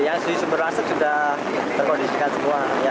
yang berasal sudah terkondisikan semua